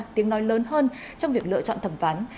tiếng nói lớn hơn trong việc lựa chọn thẩm phán